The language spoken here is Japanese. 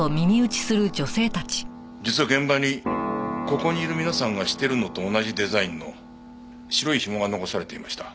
実は現場にここにいる皆さんがしてるのと同じデザインの白いひもが残されていました。